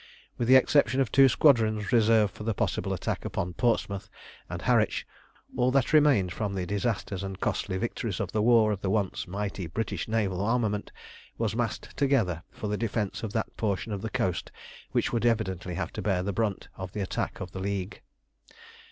With the exception of two squadrons reserved for a possible attack upon Portsmouth and Harwich, all that remained from the disasters and costly victories of the war of the once mighty British naval armament was massed together for the defence of that portion of the coast which would evidently have to bear the brunt of the attack of the League.